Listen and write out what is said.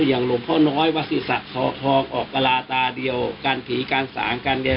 อย่างหลวงพ่อน้อยวาศิษย์ศาสตร์ทองออกกระลาตาเดียวการผีการสารการแด่